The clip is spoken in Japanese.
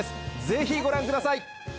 ぜひご覧ください！